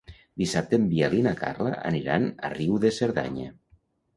Dissabte en Biel i na Carla aniran a Riu de Cerdanya.